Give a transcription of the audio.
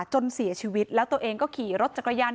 จนเสียชีวิตแล้วตัวเองก็ขี่รถจักรยาน